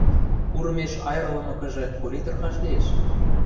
Курымеш айырлымыкыжы, коли тырхаш лиэш?..